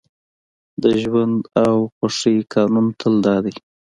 د ژوند او خوښۍ قانون تل دا دی